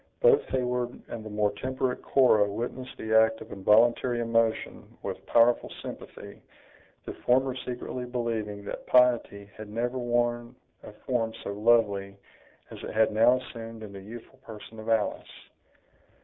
Both Heyward and the more temperate Cora witnessed the act of involuntary emotion with powerful sympathy, the former secretly believing that piety had never worn a form so lovely as it had now assumed in the youthful person of Alice.